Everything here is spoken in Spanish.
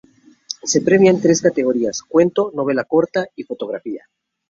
Se premian tres categorías: cuento, novela corta y fotografía.